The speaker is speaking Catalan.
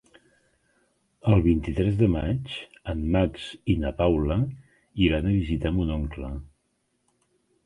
El vint-i-tres de maig en Max i na Paula iran a visitar mon oncle.